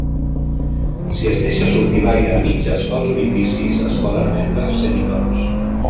Si es deixa sortir l'aire a mitges pels orificis, es poden emetre semitons.